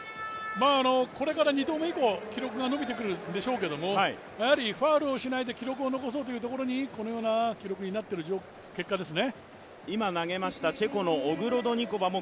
これから２投目以降記録が伸びてくるでしょうけどやはりファウルをしないで記録を残そうというところにこのような記録になってる結果ですね。